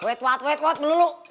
wait wait wait belum belum